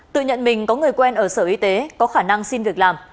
tự nhận mình có người quen ở sở y tế có khả năng xin việc làm